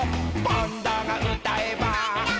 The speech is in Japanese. パンダがうたえば。